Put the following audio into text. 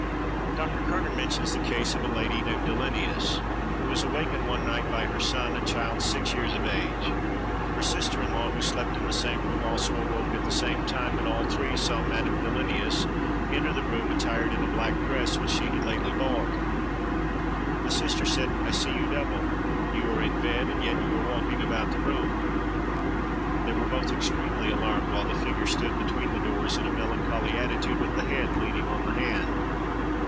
Dr. Kerner mentions the case of a lady named Dillenius, who was awakened one night by her son, a child six years of age; her sister in law, who slept in the same room, also awoke at the same time, and all three saw Madame Dillenius enter the room, attired in a black dress, which she had lately bought. The sister said, "I see you double! you are in bed, and yet you are walking about the room." They were both extremely alarmed, while the figure stood between the doors in a melancholy attitude with the head leaning on the hand.